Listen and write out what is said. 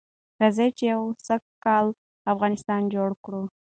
راځئ چې يو سوکاله افغانستان جوړ کړو.